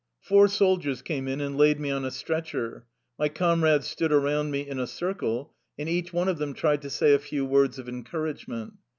Four soldiers came in, and laid me on a stretcher. My comrades stood around me in a circle, and each one of them tried to say a few words of encouragement.